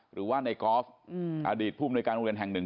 หรือว่าในกอล์ฟอดีตผู้มนุยการโรงเรียนแห่งหนึ่ง